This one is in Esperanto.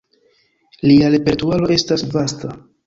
Lia repertuaro estas vasta.